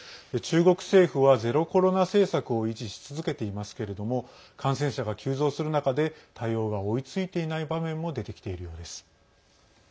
中国政府はゼロコロナ政策を維持し続けていますけれども感染者が急増する中で対応が追いついていない場面も出てきているようです。